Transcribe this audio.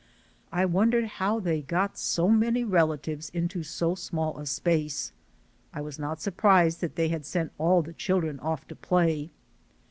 I won dered how they got so many relatives into so small a space. I was not surprised that they had sent all the children off to play.